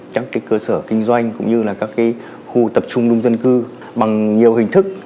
các cơ sở kinh doanh cũng như là các khu tập trung đông dân cư bằng nhiều hình thức